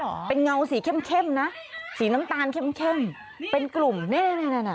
มีเหงาสีเข้มนะสีน้ำตาลเข้มเป็นกลุ่มนี่